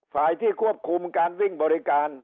ฝ่ายที่ควบคุมการวิ่งบริการ